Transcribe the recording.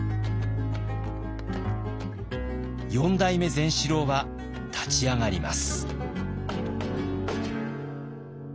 ４代目善四郎は立ち上がります。